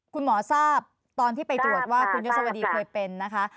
คุณหมอทราบตอนที่ไปตรวจว่าคุณยศวดีเคยเป็นนะคะ